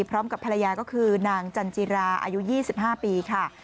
พร้อมกับภรรยาก็คือนางจันจิราอายุ๒๕ปีค่ะ